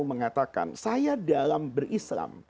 mengatakan saya dalam berislam